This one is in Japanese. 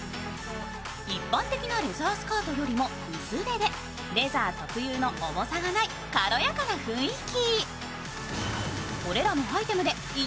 一般的なレザースカートよりも薄手でレザー特有の重さがない軽やかな雰囲気。